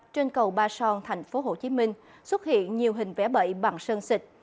trên cầu ba son thành phố hồ chí minh xuất hiện nhiều hình vẽ bậy bằng sơn xịt